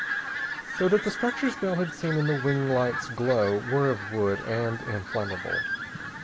So that the structures Bell had seen in the wing lights' glow were of wood, and inflammable.